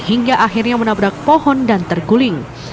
hingga akhirnya menabrak pohon dan terguling